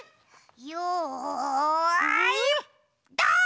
よいドン！